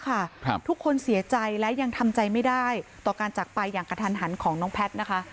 ทุกคนเสียใจและยังทำใจไม่ได้ต่อการจักรไปอย่างกระทันหันของน้องแพทย์นะคะ